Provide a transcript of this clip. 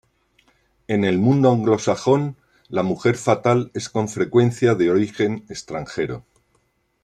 En el mundo anglosajón, la mujer fatal es con frecuencia de origen extranjero.